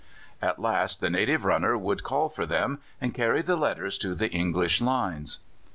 At last the native runner would call for them and carry the letters to the English lines.